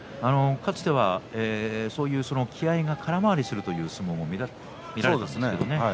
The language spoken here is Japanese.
かつてはそういう気合いが空回りするという相撲も見られましたね。